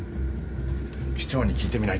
機長に聞いてみないと。